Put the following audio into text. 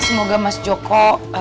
semoga mas joko